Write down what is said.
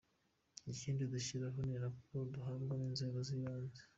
Ikindi dushingiraho ni raporo duhabwa n’inzego z’ibanze.